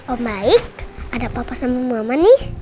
oh baik ada papa sama mama nih